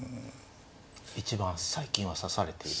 一番最近は指されている。